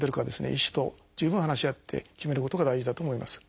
医師と十分話し合って決めることが大事だと思います。